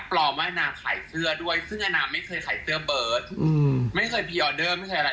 ปลอมว่านางขายเสื้อด้วยซึ่งอาณาไม่เคยใส่เสื้อเบิร์ตไม่เคยพรีออเดอร์ไม่เคยอะไร